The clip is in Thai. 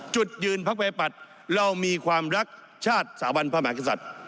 จุดยืนภักดิ์ไว้ปัดเรามีความรักชาติสหวัญพระมหากศัตริย์